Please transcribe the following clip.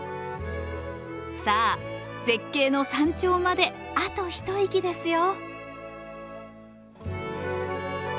さあ絶景の山頂まであと一息ですよ。